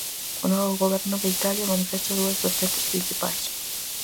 O novo goberno de Italia manifesta dúas vertentes principais.